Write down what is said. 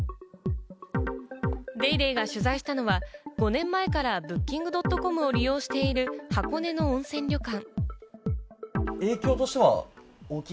『ＤａｙＤａｙ．』が取材したのは、５年前からＢｏｏｋｉｎｇ．ｃｏｍを利用している箱根の温泉旅館。